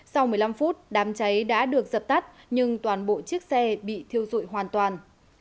sau một mươi năm phút đám cháy đã được dập tắt nhưng toàn bộ chiếc xe bị thiêu dụi hoàn toàn